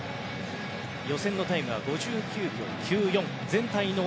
予選のタイムは５９秒９４。